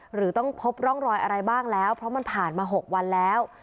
หรือต้องพบร่องรอยอะไรบ้างแล้วเพราะมันผ่านมา๖วันแล้ว